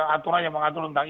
aturan yang mengatur tentang